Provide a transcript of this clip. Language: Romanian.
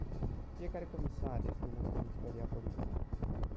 Fiecare comisar este unic în istoria politică.